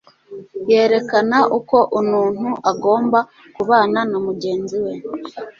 yerekana uko ununtu agomba kubana na mugenzi we.